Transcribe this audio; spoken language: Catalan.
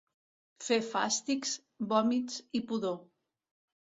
Fer fàstics, vòmits i pudor.